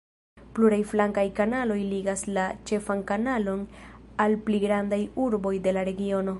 Pluraj flankaj kanaloj ligas la ĉefan kanalon al pli grandaj urboj de la regiono.